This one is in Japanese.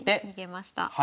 逃げました。